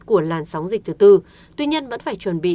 của làn sóng dịch thứ tư tuy nhiên vẫn phải chuẩn bị